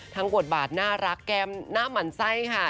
บทบาทน่ารักแกมหน้าหมั่นไส้ค่ะ